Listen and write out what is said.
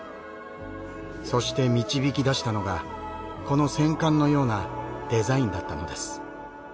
そして導き出したのがこの戦艦のようなデザインだったのです。